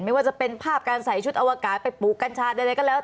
ไม่ว่าจะเป็นภาพการใส่ชุดอวกาศไปปลูกกัญชาใดก็แล้ว